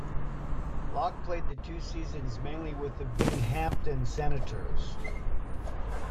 Locke played the two seasons mainly with the Binghamton Senators.